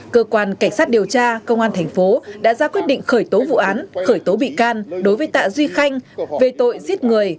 cơ quan cảnh sát điều tra công an thành phố đã ra quyết định khởi tố vụ án khởi tố bị can đối với tạ duy khanh về tội giết người